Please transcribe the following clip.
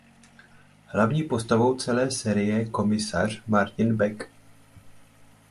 Hlavní postavou celé série je komisař Martin Beck.